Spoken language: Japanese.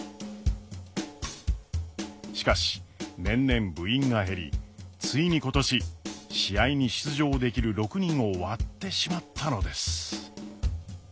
しかし年々部員が減りついに今年試合に出場できる６人を割ってしまったのです。